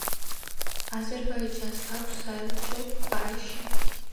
აზერბაიჯანს აქვს საელჩო პარიზში.